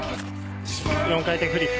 ４回転フリップ。